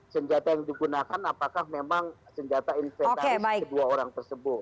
senjata yang digunakan apakah memang senjata inventaris kedua orang tersebut